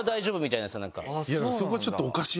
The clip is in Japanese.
いやそこちょっとおかしい。